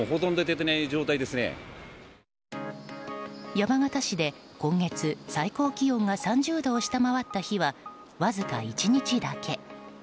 山形市で今月、最高気温が３０度を下回った日はわずか１日だけ。